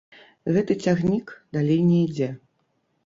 Гэты цягнік далей не ідзе.